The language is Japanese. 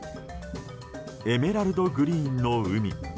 エメラルドグリーンの海。